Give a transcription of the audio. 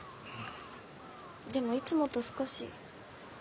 でもいつもと少し。